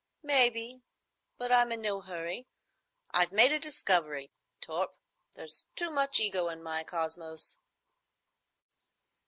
"Maybe; but I'm in no hurry. I've made a discovery. Torp, there's too much Ego in my Cosmos."